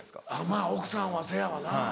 まぁ奥さんはせやわな。